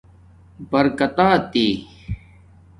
برکتاتݵ